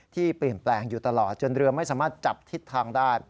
ที่เปลี่ยนแปลงอยู่ตลอดจนเรือไม่สามารถจับทิศทางได้